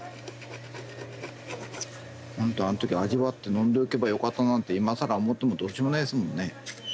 ほんとあの時味わって飲んでおけばよかったなんて今更思ってもどうしようもないですもんね。